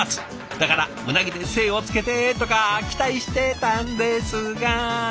だから「うなぎで精をつけて」とか期待してたんですが。